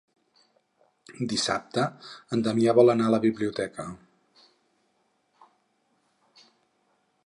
Dissabte en Damià vol anar a la biblioteca.